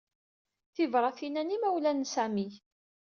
Tibratin-a n yimawlan n Sami.